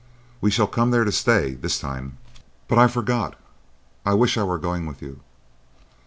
We shall come there to stay, this time. But I forgot. I wish I were going with you."